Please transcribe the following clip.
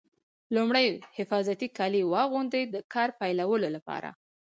لومړی حفاظتي کالي واغوندئ د کار پیلولو لپاره.